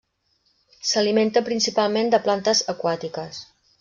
S'alimenta principalment de plantes aquàtiques.